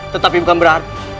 tetapi bukan berarti